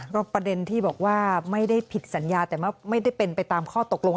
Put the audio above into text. แล้วประเด็นที่บอกว่าไม่ได้ผิดสัญญาแต่ไม่ได้เป็นไปตามข้อตกลง